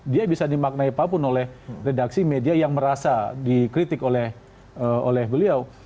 dia bisa dimaknai apapun oleh redaksi media yang merasa dikritik oleh beliau